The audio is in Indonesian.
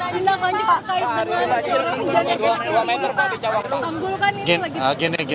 bila banyak berkait dengan jalan jalan jalan